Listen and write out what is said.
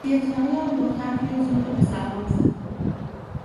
بیاعتنایی آن دختر توی ذوق پسرها میزد.